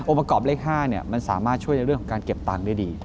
ประกอบเลข๕มันสามารถช่วยในเรื่องของการเก็บตังค์ได้ดี